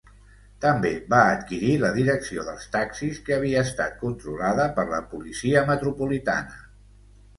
També va adquirir la direcció dels taxis que havia estat controlada per la policia metropolitana.